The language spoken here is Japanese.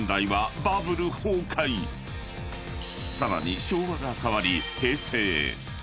［さらに昭和が変わり平成へ］